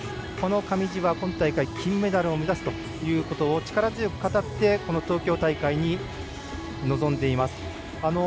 上地は今大会金メダルを目指すということを力強く語って東京大会に臨んでいます。